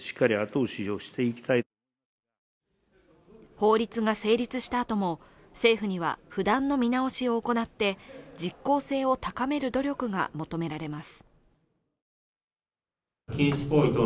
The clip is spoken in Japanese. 法律が成立したあとも、政府には不断の見直しを行って実効性を高める努力が求められます。